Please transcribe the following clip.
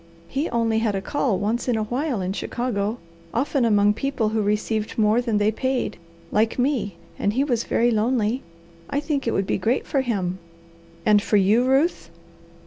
He only had a call once in a while in Chicago, often among people who received more than they paid, like me, and he was very lonely. I think it would be great for him." "And for you, Ruth?"